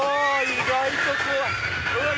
意外と怖い！